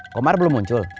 komar belum muncul